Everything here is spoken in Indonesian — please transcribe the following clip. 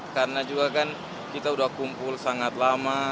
karena juga kan kita sudah kumpul sangat lama